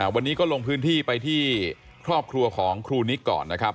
วันนี้ก็ลงพื้นที่ไปที่ครอบครัวของครูนิกก่อนนะครับ